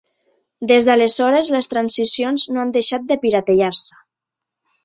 Des d'aleshores les transicions no han deixat de piratejar-se.